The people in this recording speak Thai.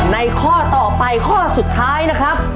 ข้อต่อไปข้อสุดท้ายนะครับ